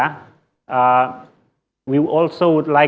kami juga ingin memahami